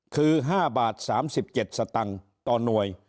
คือ๕บาท๓๗สตังค์ต่อหน่วย